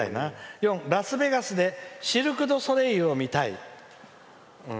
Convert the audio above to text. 「４ラスベガスでシルクドゥソレイユを見たい」。